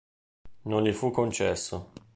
Non gli fu concesso.